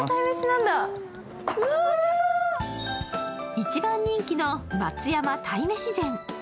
一番人気の松山鯛めし膳。